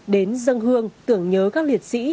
đến dân hương tưởng nhớ các liệt sĩ